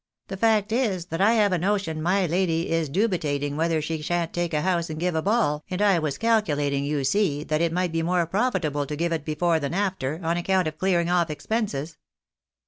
" The fact is, that I have a notion my lady is dubitating whether she shan't take a house and give a ball, and I was calculating, you see, that it might be more profitable to give it before than after, on account of clearing off expenses."